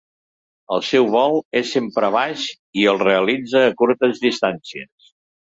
El seu vol és sempre baix i el realitza a curtes distàncies.